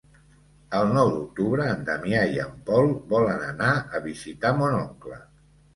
El nou d'octubre en Damià i en Pol volen anar a visitar mon oncle.